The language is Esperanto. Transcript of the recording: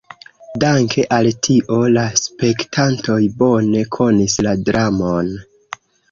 Danke al tio la spektantoj bone konis la dramon.